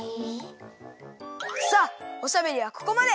さあおしゃべりはここまで！